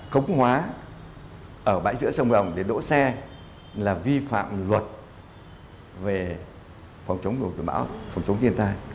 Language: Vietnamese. cống hóa ở bãi giữa sông hồng để đổ xe là vi phạm luật về phòng chống đồ tử bão phòng chống thiên tai